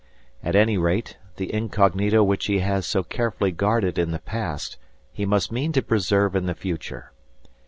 At any rate, the incognito which he has so carefully guarded in the past he must mean to preserve in the future.